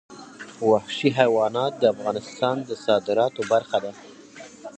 وحشي حیوانات د افغانستان د صادراتو برخه ده.